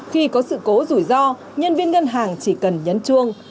khi có sự cố rủi ro nhân viên ngân hàng chỉ cần nhấn chuông